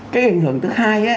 cái ảnh hưởng thứ hai